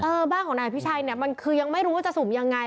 บ้านของนายอภิชัยเนี่ยมันคือยังไม่รู้ว่าจะสุ่มยังไง